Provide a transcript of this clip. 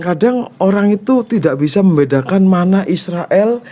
kadang orang itu tidak bisa membedakan mana israel